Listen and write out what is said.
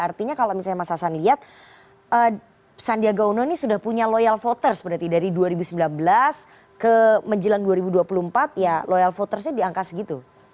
artinya kalau misalnya mas hasan lihat sandiaga uno ini sudah punya loyal voters berarti dari dua ribu sembilan belas ke menjelang dua ribu dua puluh empat ya loyal votersnya di angka segitu